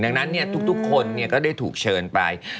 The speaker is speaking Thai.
ดังนั้นทุกคนก็ได้ถูกเชิญไป